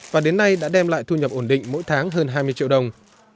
và đến nay đã đem lại thu nhập ổn định mỗi tháng hơn hai mươi triệu đồng